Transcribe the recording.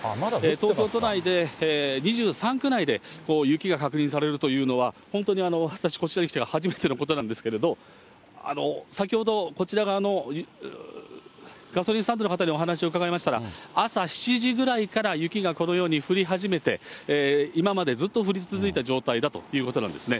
東京都内で、２３区内で、雪が確認されるというのは、本当に私、こちらに来てから初めてのことなんですけれども、先ほど、こちら側のガソリンスタンドの方にお話を伺いましたら、朝７時ぐらいから雪がこのように降り始めて、今までずっと降り続いた状態だということなんですね。